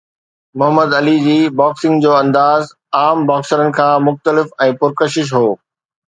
Muhammad Ali جي boxing جو انداز عام باڪسرز کان مختلف ۽ پرڪشش هو.